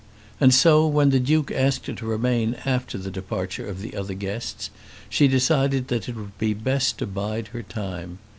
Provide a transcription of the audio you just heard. And so, when the Duke asked her to remain after the departure of the other guests, she decided that it would be best to bide her time.